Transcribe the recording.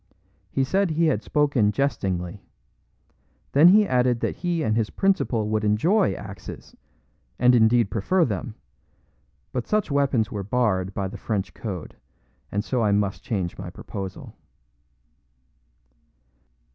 He said he had spoken jestingly. Then he added that he and his principal would enjoy axes, and indeed prefer them, but such weapons were barred by the French code, and so I must change my proposal.